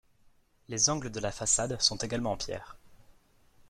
Les angles de la façade sont également en pierre.